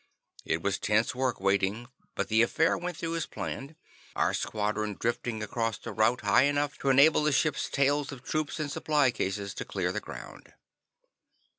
It was tense work waiting, but the affair went through as planned, our squadron drifting across the route high enough to enable the ships' tails of troops and supply cases to clear the ground.